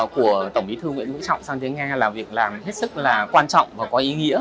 của tổng bí thư nguyễn vũ trọng sang tiếng nga là việc làm hết sức là quan trọng và có ý nghĩa